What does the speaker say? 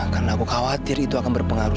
karena aku khawatir itu akan berpengaruh